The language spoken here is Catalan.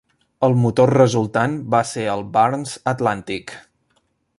El motor resultant va ser el "Barnes Atlantic".